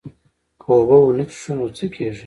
که اوبه ونه څښو نو څه کیږي